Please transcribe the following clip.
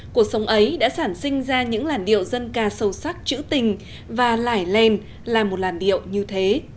cuộc sống ấy đã sản sinh ra những làn điệu dân ca sâu sắc trữ tình và lải len là một làn điệu như thế